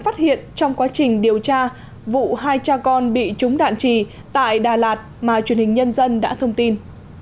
phát hiện trong quá trình điều tra vụ hai cha con bị trúng đạn trì tại đà lạt mà truyền hình nhân dân đã thông tin